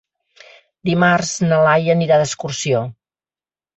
Dimarts na Laia anirà d'excursió.